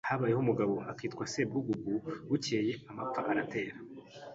Habayeho umugabo akitwa Sebwugugu Bukeye amapfa aratera